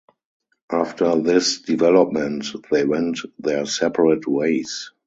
After this development, they went their separate ways.